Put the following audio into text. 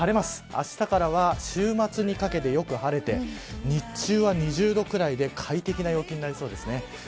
あしたから週末にかけてよく晴れて日中は２０度ぐらいで快適な陽気になりそうです。